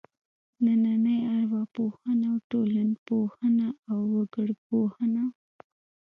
نننۍ ارواپوهنه او ټولنپوهنه او وګړپوهنه.